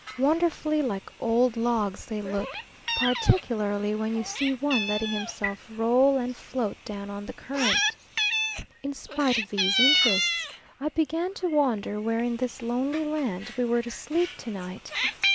Wonderfully like old logs they look, particularly when you see one letting himself roll and float down on the current. In spite of these interests I began to wonder where in this lonely land we were to sleep to night.